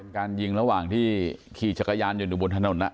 การยิงระหว่างที่ขี่จักรยานยนต์อยู่บนถนน